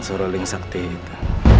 suruling sakti itu